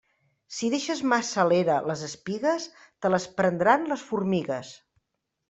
Si deixes massa a l'era les espigues, te les prendran les formigues.